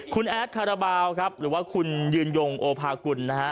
คุณแอดคาราบาวหรือว่าคุณยืนยงโอภากุล